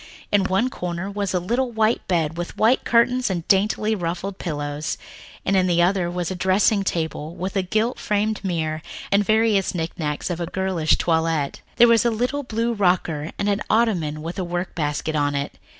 In one corner was a little white bed with white curtains and daintily ruffled pillows, and in the other a dressing table with a gilt framed mirror and the various knick knacks of a girlish toilet. There was a little blue rocker and an ottoman with a work basket on it.